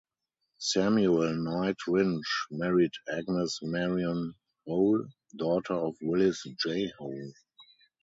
Samuel Knight Rindge married Agnes Marion Hole, daughter of Willits J. Hole.